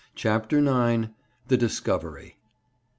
CHAPTER IX. THE DISCOVERY.